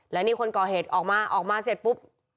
และนี่คนก่อเหตุออกมาออกมาเสร็จปุ๊บ